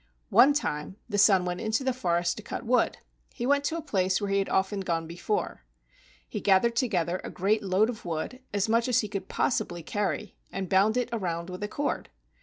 One time the son went into the forest to cut wood. He went to a place where he had often gone before. He gathered together a great load of wood, as much as he could possibly carry, and bound it around with a cord.